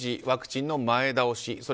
ワクチンの前倒し。